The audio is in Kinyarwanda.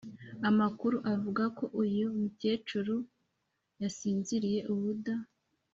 Amakuru avuga ko uyu mukecuru yasinziriye ubuda